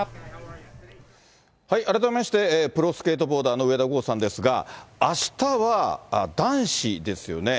改めまして、プロスケートボーダーの上田豪さんですが、あしたは男子ですよね。